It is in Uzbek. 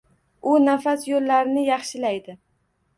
U nafas yo'llarini yahshilaydi.